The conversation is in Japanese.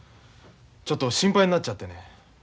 ちょっと心配になっちゃってね。